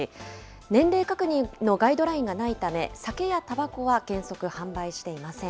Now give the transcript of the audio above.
年齢確認のガイドラインがないため、酒やたばこは原則販売していません。